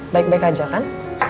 baik baik aja kan